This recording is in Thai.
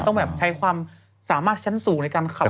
ต้องแบบใช้ความสามารถชั้นสูงในการขับ